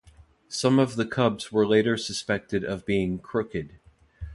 Some of the Cubs were later suspected of being "crooked".